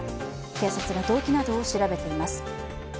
警察が動機などを調べています。